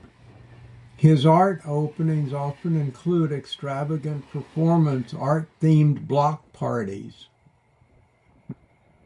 His art openings often include extravagant performance art themed block parties.